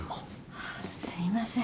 あっすいません。